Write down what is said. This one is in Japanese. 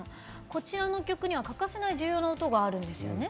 こちらの曲には欠かせない重要な音があるんですよね。